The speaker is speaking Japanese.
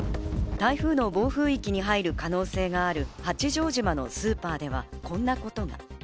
台風の暴風域に入る可能性がある八丈島のスーパーではこんなことが。